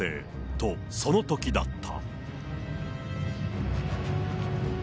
と、そのときだった。